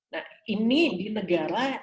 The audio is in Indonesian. nah ini di negara